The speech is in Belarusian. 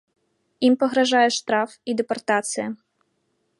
Ім пагражае штраф і дэпартацыя.